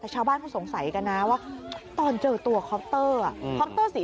ชาวบ้านพวกสงสัยตอนเจอตัวคอปเตอร์